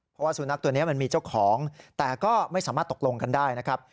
เพราะว่าสุนัขตัวนี้มันมีเจ้าของแต่ก็ไม่สามารถตกลงกันได้นะครับ